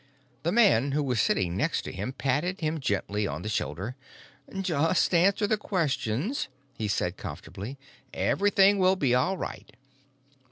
The man who was sitting next to him patted him gently on the shoulder. "Just answer the questions," he said comfortably. "Everything will be all right."